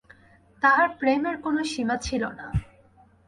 তাঁহার প্রেমের কোন সীমা ছিল না।